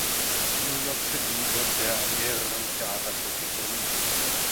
In New York City wirkte er an mehreren Theaterproduktionen mit.